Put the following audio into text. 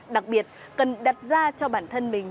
đặc biệt cần đặt ra cho bản thân mình